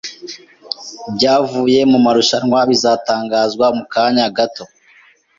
Ibyavuye mu marushanwa bizatangazwa mu kanya gato.